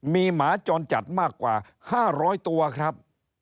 มีหมาจรจัดมากกว่า๕๐๐ตัวครับ